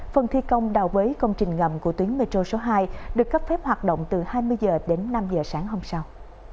phần thi công đào bấy công trình ngầm của tuyến metro số hai được cấp phép hoạt động từ hai mươi h đến năm h sáng hôm sau